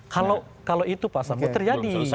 kalau itu pak sambo terjadi